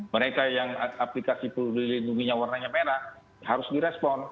mereka yang aplikasi peduli lindungi yang warnanya merah harus di respon